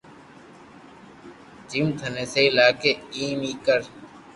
جويم ٿني سھي لاگي ايم اي ڪر